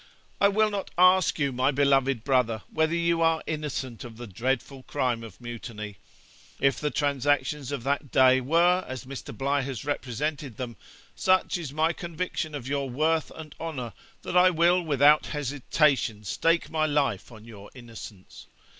'I will not ask you, my beloved brother, whether you are innocent of the dreadful crime of mutiny; if the transactions of that day were as Mr. Bligh has represented them, such is my conviction of your worth and honour, that I will, without hesitation, stake my life on your innocence.